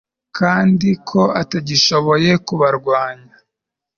kandi ko atagishoboye kubarwanya